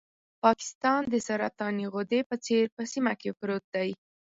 پاکستان د سرطاني غدې په څېر په سیمه کې پروت دی.